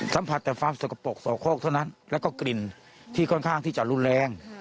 สัมผัสแต่ความสกปรกสอกโคกเท่านั้นแล้วก็กลิ่นที่ค่อนข้างที่จะรุนแรง